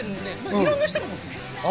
いろんな人が持ってる。